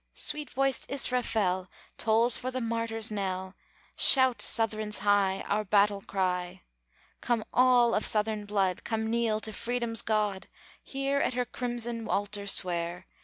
sweet voiced Israfel Tolls for the martyr's knell! Shout Southrons high, Our battle cry! Come all of Southern blood, Come kneel to Freedom's God! Here at her crimson altar swear!